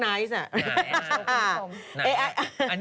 ปล่อยให้เบลล่าว่าง